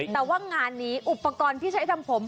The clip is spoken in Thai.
แต่ว่างานนี้อุปกรณ์ที่ใช้ทำผม